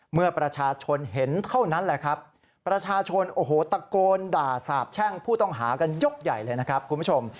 เมื่อประชาชนเห็นเท่านั้นแหละครับประชาชนโอ้โหตะโกนด่าสาบแช่งผู้ต้องหากันยกใหญ่เลยนะครับคุณผู้ชม